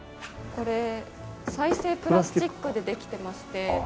これ再生プラスチックでできてまして。